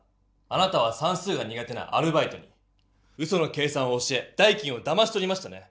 あなたはさんすうが苦手なアルバイトにうその計算を教え代金をだましとりましたね？